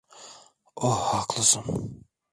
Oh, haklısın.